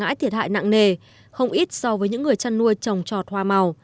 quả ngãi thiệt hại nặng nề không ít so với những người chăn nuôi trồng trọt hoa màu